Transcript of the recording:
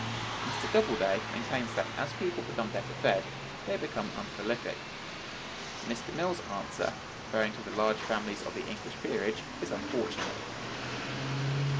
(121) Mr. Doubleday maintains that, as people become better fed, they become unprolific. Mr. Mill's answer, referring to the large families of the English peerage, is unfortunate.